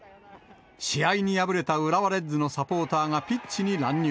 試合に敗れた浦和レッズのサポーターがピッチに乱入。